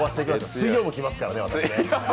水曜も来ますからね、私ね。